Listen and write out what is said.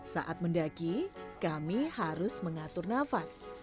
saat mendaki kami harus mengatur nafas